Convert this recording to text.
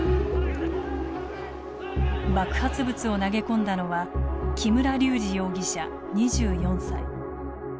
爆発物を投げ込んだのは木村隆二容疑者、２４歳。